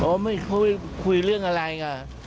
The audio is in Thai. บอกว่าไม่คุยคุยเรื่องอะไรอ่ะ